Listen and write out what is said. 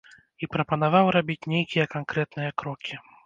І прапанаваў рабіць нейкія канкрэтныя крокі.